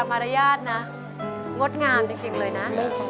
คุณแม่ปีรยศนะงดงามจริงเลยนะ